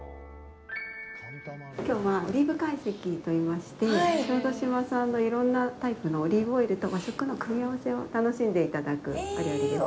きょうはオリーブ会席といいまして小豆島産の、いろんなタイプのオリーブオイルと和食の組み合わせを楽しんでいただくお料理です。